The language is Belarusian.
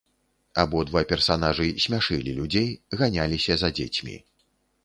Абодва персанажы смяшылі людзей, ганяліся за дзецьмі.